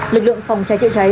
lực lượng phòng cháy chữa cháy